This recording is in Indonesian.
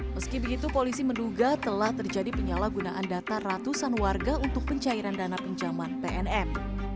meski begitu polisi menduga telah terjadi penyalahgunaan data ratusan warga untuk pencairan dana pinjaman pnm